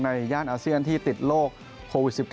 ย่านอาเซียนที่ติดโรคโควิด๑๙